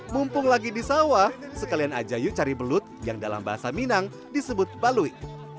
mumpung lagi di sawah sekalian aja yuk cari belut yang dalam bahasa minang disebut balui